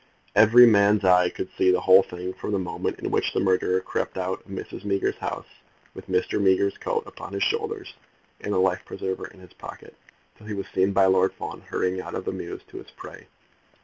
Every man's eye could see the whole thing from the moment in which the murderer crept out of Mrs. Meager's house with Mr. Meager's coat upon his shoulders and the life preserver in his pocket, till he was seen by Lord Fawn hurrying out of the mews to his prey.